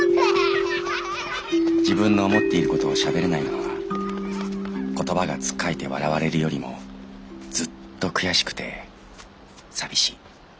「自分の思っていることをしゃべれないのは言葉がつっかえて笑われるよりもずっと悔しくて寂しい。